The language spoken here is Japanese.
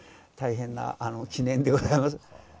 大変な記念でございます。